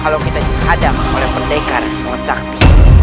kalau kita dihadang oleh pendekar yang sangat sakti